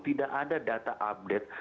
tidak ada data update